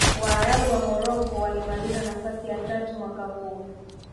waarabu wa morocco walimaliza nafasi ya tatu mwaka huo